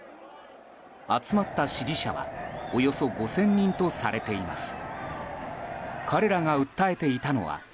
集まった支持者は、およそ５０００人とされています。